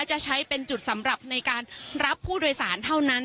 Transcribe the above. จะใช้เป็นจุดสำหรับในการรับผู้โดยสารเท่านั้น